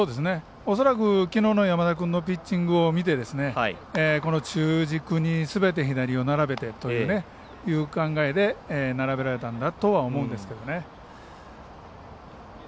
恐らく、きのうの山田君のピッチングを見てこの中軸にすべて左を並べてという考えで並べられたんだとは思うんですけどね。